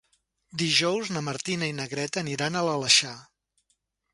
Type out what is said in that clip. Dijous na Martina i na Greta aniran a l'Aleixar.